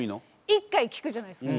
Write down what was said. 一回聴くじゃないですか。